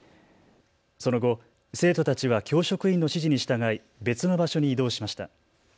その後、生徒たちは教職員の指示に従い別の場所に移動しました。